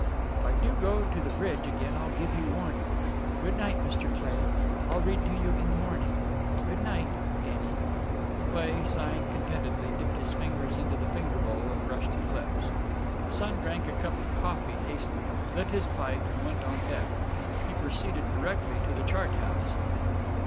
If I do go to the bridge again I'll give you warning. Good night, Mr. Cleigh, I'll read to you in the morning. Good night Denny." Cleigh, sighing contentedly, dipped his fingers into the finger bowl and brushed his lips. The son drank a cup of coffee hastily, lit his pipe, and went on deck. He proceeded directly to the chart house.